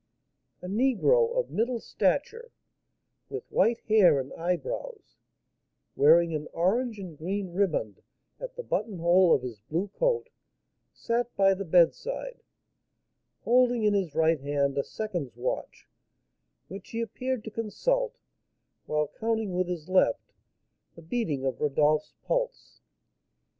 A negro of middle stature, with white hair and eyebrows, wearing an orange and green riband at the buttonhole of his blue coat, sat by the bedside, holding in his right hand a seconds' watch, which he appeared to consult while counting with his left the beating of Rodolph's pulse.